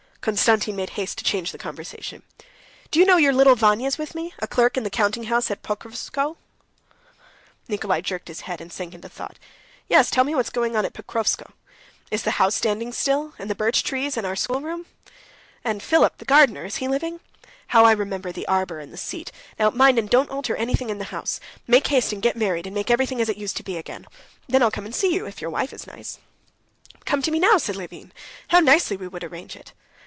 Konstantin made haste to change the conversation. "Do you know your little Vanya's with me, a clerk in the countinghouse at Pokrovskoe." Nikolay jerked his neck, and sank into thought. "Yes, tell me what's going on at Pokrovskoe. Is the house standing still, and the birch trees, and our schoolroom? And Philip the gardener, is he living? How I remember the arbor and the seat! Now mind and don't alter anything in the house, but make haste and get married, and make everything as it used to be again. Then I'll come and see you, if your wife is nice." "But come to me now," said Levin. "How nicely we would arrange it!"